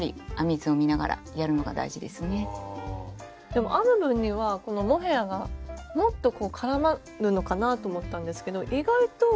でも編む分にはこのモヘアがもっと絡まるのかなと思ったんですけど意外と。